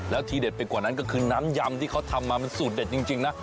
แล้วทีเด็ดไปกว่านั้นก็คือน้ำยำที่เขาทำมามันสูตรเด็ดจริงนะ